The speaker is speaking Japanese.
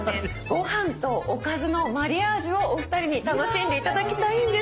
ご飯とおかずのマリアージュをお二人に楽しんで頂きたいんですが。